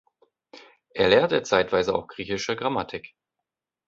Er lehrte zeitweise auch griechische Grammatik.